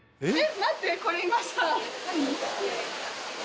えっ。